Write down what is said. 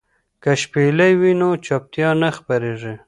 که شپېلۍ وي نو چوپتیا نه خپریږي.